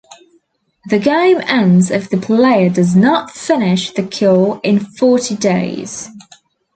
The game ends if the player does not finish the cure in forty days.